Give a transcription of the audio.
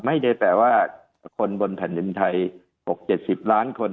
ไม่ได้แปลว่าคนบนแผ่นดินไทย๖๗๐ล้านคน